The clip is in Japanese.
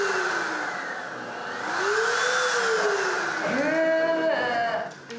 へえ。